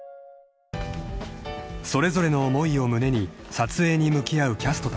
［それぞれの思いを胸に撮影に向き合うキャストたち］